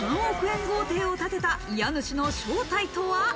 ３億円豪邸を建てた家主の正体とは？